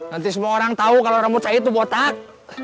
nanti semua orang tahu kalau rambut saya itu botak